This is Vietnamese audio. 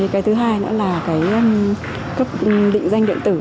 cái thứ hai nữa là cái cấp định danh điện tử